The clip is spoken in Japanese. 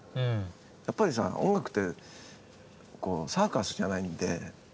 やっぱりさ音楽ってこうサーカスじゃないんで。